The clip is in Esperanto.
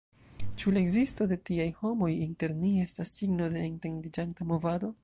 Ĉu la ekzisto de tiaj homoj inter ni estas signo de etendiĝanta movado?